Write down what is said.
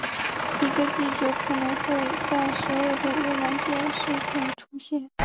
一个记者可能会在所有的越南电视台出现。